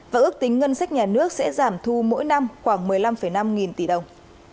và ước tính ngân sách nhà nước sẽ giảm thu mỗi năm khoảng một mươi năm năm nghìn tỷ đồng